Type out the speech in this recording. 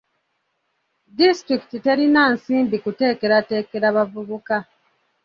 Disitulikiti terina nsimbi kuteekateekera bavubuka.